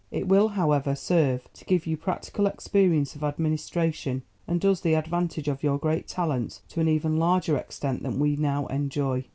It will, however, serve to give you practical experience of administration, and us the advantage of your great talents to an even larger extent than we now enjoy.